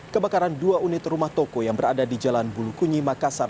kebakaran dua unit rumah toko yang berada di jalan bulukunyi makassar